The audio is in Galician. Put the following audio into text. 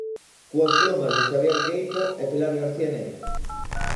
Coas plumas de Xavier Queipo e Pilar García Negro.